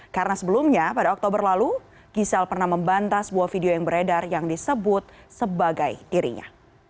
karena sebelumnya pada oktober lalu gisela pernah membantas sebuah video yang beredar yang disebut sebagai dirinya